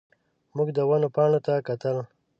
موږ د ونو پاڼو ته کتل.